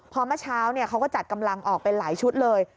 พอเมื่อเช้าเขาก็จัดกำลังออกเป็นหลายชุดเลย